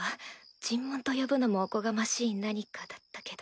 尋問と呼ぶのもおこがましい何かだったけど。